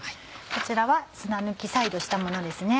こちらは砂抜き再度したものですね。